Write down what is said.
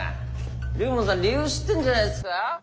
龍門さん理由知ってんじゃないっすか？